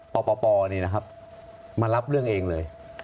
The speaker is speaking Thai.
ปปปนี่นะครับมารับเรื่องเองเลย